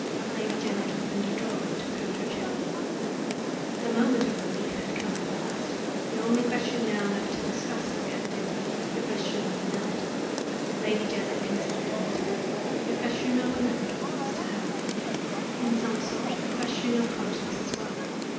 Lady Janet opened a drawer, and took out her check book. The moment of relief had come at last! The only question now left to discuss was evidently the question of amount. Lady Janet considered a little. The question of amount was (to her mind) in some sort a question of conscience as well.